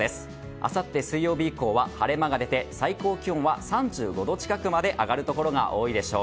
あさって水曜日以降は晴れ間が出て最高気温は３５度近くまで上がるところが多いでしょう。